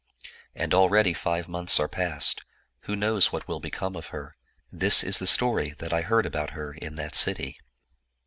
And already five months are past; who knows what will become of her? This is the story that I heard about her in that city."